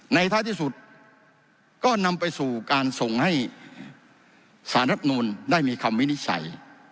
ท้ายที่สุดก็นำไปสู่การส่งให้สารรับนูลได้มีคำวินิจฉัย